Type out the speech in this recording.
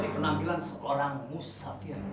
seperti penampilan seorang musafir